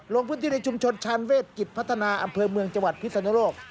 ลงพื้นที่ในชุมชนชาญเวทกิจพัฒนาอำเภอเมืองจังหวัดพิศนโลก